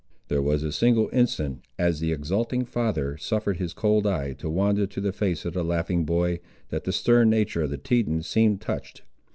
There was a single instant, as the exulting father suffered his cold eye to wander to the face of the laughing boy, that the stern nature of the Teton seemed touched.